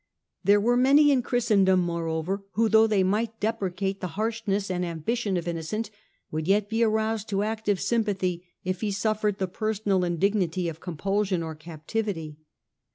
There were many in Christendom, moreover, who though they might deprecate the harshness and am bition of Innocent, would yet be aroused to active sympathy if he suffered the personal indignity of com pulsion or captivity.